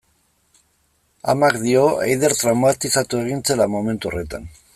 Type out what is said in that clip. Amak dio Eider traumatizatu egin zela momentu horretan.